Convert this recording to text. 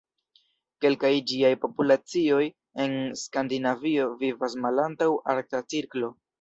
Kelkaj ĝiaj populacioj en Skandinavio vivas malantaŭ arkta cirklo!